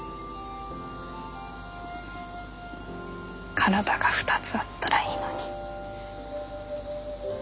体が２つあったらいいのに。